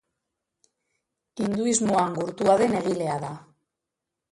Hinduismoan gurtua den egilea da.